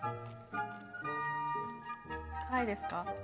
辛いですか？